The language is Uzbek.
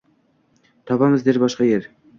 Topamiz der boshqa yer.